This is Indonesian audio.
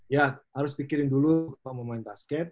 ya harus pikirin dulu kalau mau main basket